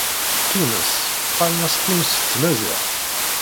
Tunes qqaren-as Tunes s tmaziɣt.